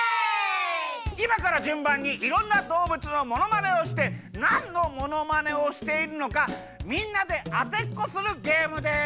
いまからじゅんばんにいろんなどうぶつのものまねをしてなんのものまねをしているのかみんなであてっこするゲームです！